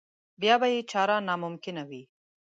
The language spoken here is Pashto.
بیا به یې چاره ناممکنه وي.